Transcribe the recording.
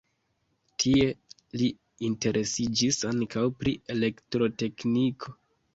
Tie li interesiĝis ankaŭ pri elektrotekniko.